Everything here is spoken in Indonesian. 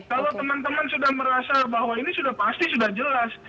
kalau teman teman sudah merasa bahwa ini sudah pasti sudah jelas